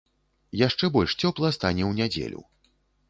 Яшчэ больш цёпла стане ў нядзелю.